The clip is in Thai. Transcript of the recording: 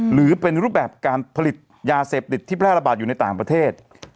หรือเป็นรูปแบบการผลิตยาเสพติดที่แพร่ระบาดอยู่ในต่างประเทศ